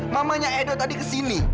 mamanya edo tadi kesini